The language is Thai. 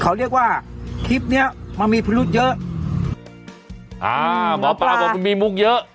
เขาเรียกว่าคลิปเนี้ยมันมีพิรุษเยอะอ่าหมอปลาบอกมันมีมุกเยอะ